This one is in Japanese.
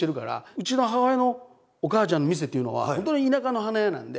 うちの母親のお母ちゃんの店っていうのは本当に田舎の花屋なんで。